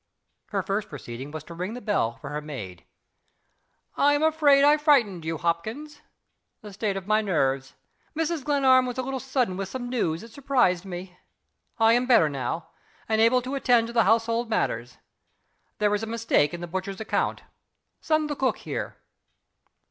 Her first proceeding was to ring the bell for her maid. "I am afraid I frightened you, Hopkins. The state of my nerves. Mrs. Glenarm was a little sudden with some news that surprised me. I am better now and able to attend to the household matters. There is a mistake in the butcher's account. Send the cook here."